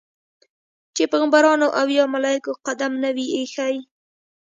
چې پیغمبرانو او یا ملایکو قدم نه وي ایښی.